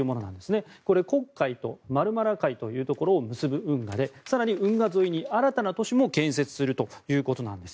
黒海とマルマラ海というところを結ぶ運河で更に、運河沿いに新たな都市も建設するということです。